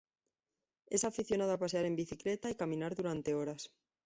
Es aficionado a pasear en bicicleta y caminar durante horas.